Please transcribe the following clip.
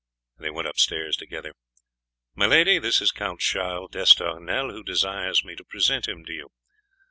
They went upstairs together. "My lady, this is Count Charles d'Estournel, who desires me to present him to you."